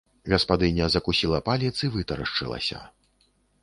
Гаспадыня закусіла палец і вытарашчылася.